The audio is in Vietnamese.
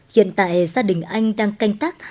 hiện tại gia đình anh đang canh tác